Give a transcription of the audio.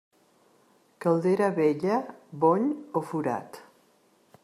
Caldera vella, bony o forat.